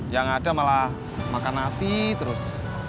yang ada malah makan nati terus